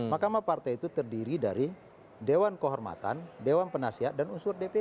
makamah partai itu terdiri dari dewan kehormatan dewan penasihat dan unsur dpp